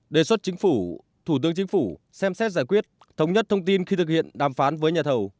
đề xuất chính phủ thủ tướng chính phủ xem xét giải quyết thống nhất thông tin khi thực hiện đàm phán với nhà thầu